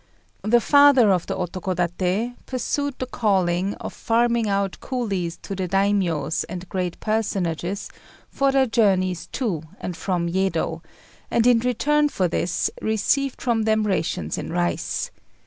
The Father of the Otokodaté pursued the calling of farming out coolies to the Daimios and great personages for their journeys to and from Yedo, and in return for this received from them rations in rice.